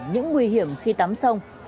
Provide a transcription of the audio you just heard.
những nguy hiểm khi tắm sông